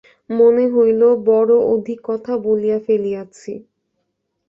মনে হইল, বড় অধিক কথা বলিয়া ফেলিয়াছি।